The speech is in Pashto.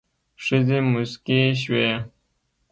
ښځې موسکې شوې.